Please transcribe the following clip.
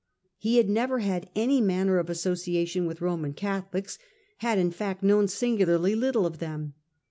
He had never had any manner of asso ciation with Roman Catholics ; had in fact known singularly little of them.